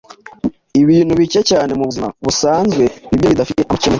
Ibintu bike cyane mu buzima busanzwe ni byo bidafite amakemwa.